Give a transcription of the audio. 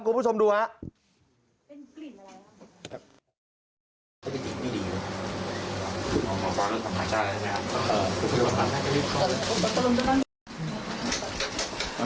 คุณผู้ชมดูนะ